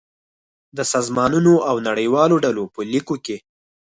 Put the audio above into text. د سازمانونو او نړیوالو ډلو په ليکو کې